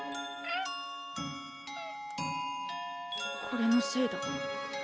これのせいだ。